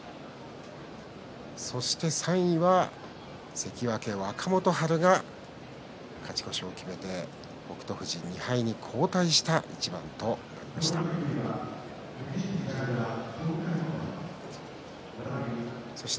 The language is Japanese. そして３位は関脇若元春が勝ち越しを決めて北勝富士２敗に後退した一番となりました。